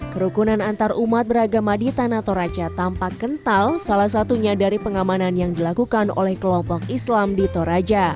kerukunan antarumat beragama di tanah toraja tampak kental salah satunya dari pengamanan yang dilakukan oleh kelompok islam di toraja